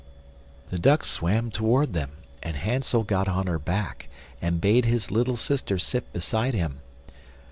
The duck swam toward them, and Hansel got on her back and bade his little sister sit beside him.